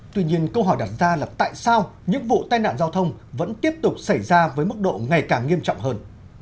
tuy nhiên câu hỏi đặt ra là tại sao những vụ tai nạn giao thông vẫn tiếp tục xảy ra với mức độ ngày càng nghiêm trọng hơn